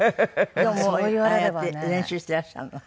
でもああやって練習してらっしゃるの？